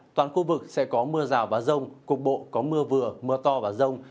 toàn khu vực sẽ có mưa rào và rông cục bộ có mưa vừa mưa to và rông